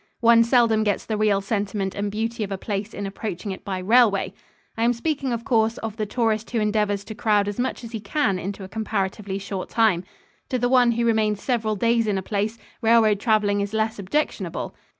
One seldom gets the real sentiment and beauty of a place in approaching it by railway. I am speaking, of course, of the tourist who endeavors to crowd as much as he can into a comparatively short time. To the one who remains several days in a place, railroad traveling is less objectionable.